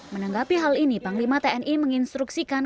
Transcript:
menanggapi hal ini panglima tni menginstruksikan